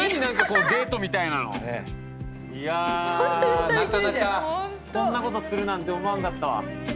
こんなことするなんて思わんかったわ。